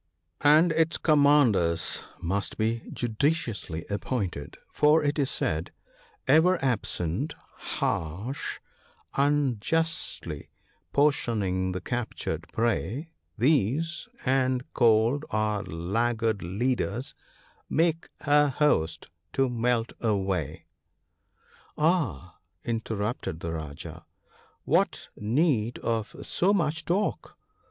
WAR. 103 And its commanders must be judiciously appointed ; for it is said —" Ever absent, harsh, unjustly portioning the captured prey — These, and cold or laggard leaders, make a host to melt away." " Ah !" interrupted the Rajah, " what need of so much talk